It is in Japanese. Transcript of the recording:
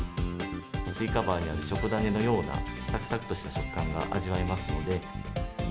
スイカバーにあるチョコ種のような、さくさくとした食感が味わえますので。